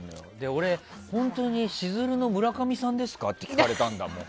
俺はしずるの村上さんですかって聞かれたんだもん。